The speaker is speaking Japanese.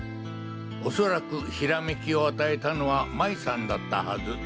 恐らく閃きを与えたのは麻衣さんだったはず。